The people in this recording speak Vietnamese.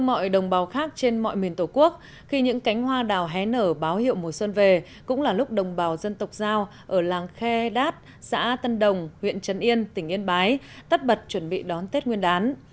ở báo hiệu mùa xuân về cũng là lúc đồng bào dân tộc giao ở làng khe đát xã tân đồng huyện trấn yên tỉnh yên bái tắt bật chuẩn bị đón tết nguyên đán